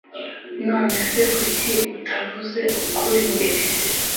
None se kuki utavuze ukuri mbere?